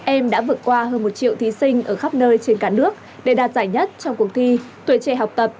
em đã vượt qua hơn một triệu thí sinh ở khắp nơi trên cả nước để đạt giải nhất trong cuộc thi tuổi trẻ học tập